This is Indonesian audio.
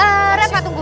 ehh reva tunggu